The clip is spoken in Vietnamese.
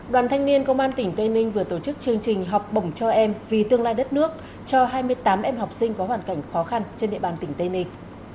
đoàn thanh niên công an tỉnh tây ninh vừa tổ chức chương trình học bổng cho em vì tương lai đất nước cho hai mươi tám em học sinh có hoàn cảnh khó khăn trên địa bàn tỉnh tây ninh